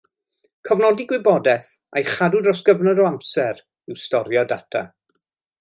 Cofnodi gwybodaeth a'i chadw dros gyfnod o amser yw storio data.